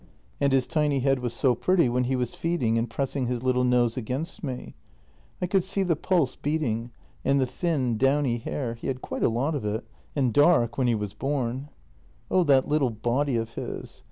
And his tiny head was so pretty, when he was feeding and pressing his little nose against me. I could see the pulse beat ing and the thin, downy hair; he had quite a lot of it — and dark — when he was born. " Oh, that little body of his!